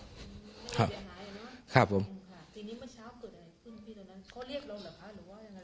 ทีนี้เมื่อเช้าเกิดอะไรขึ้นพี่ตอนนั้นเขาเรียกเราเหรอคะหรือว่าอย่างไร